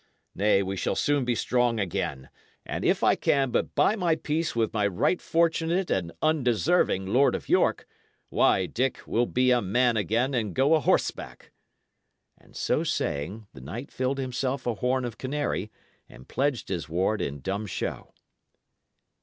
Nay, we shall soon be strong again; and if I can but buy my peace with my right fortunate and undeserving Lord of York, why, Dick, we'll be a man again and go a horseback!" And so saying, the knight filled himself a horn of canary, and pledged his ward in dumb show.